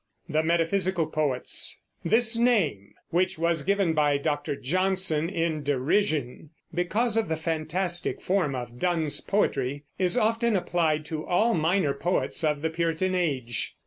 THE METAPHYSICAL POETS. This name which was given by Dr. Johnson in derision, because of the fantastic form of Donne's poetry is often applied to all minor poets of the Puritan Age.